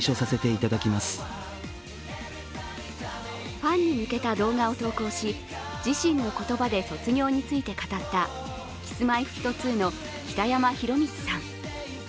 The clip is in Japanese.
ファンに向けた動画を投稿し自身の言葉で卒業について語ったＫｉｓ−Ｍｙ−Ｆｔ２の北山宏光さん。